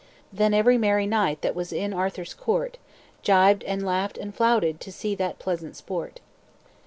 "Then every merry knight, That was in Arthur's court, Gibed and laughed and flouted, To see that pleasant sport.